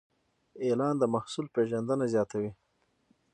اعلان د محصول پیژندنه زیاتوي.